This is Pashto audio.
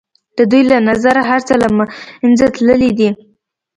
د دوی له نظره هر څه له منځه تللي دي.